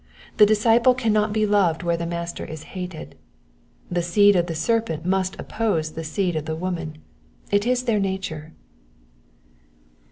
The disciple cannot be loved where his Master is hated. The seed of the serpent must oppose the seed of the woman : it is their nature.